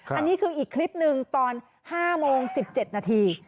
อันนี้คืออีกคลิปหนึ่งตอน๕โมง๑๗นาที